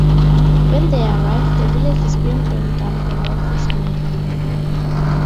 When they arrive, the village is being burned down by Walker's men.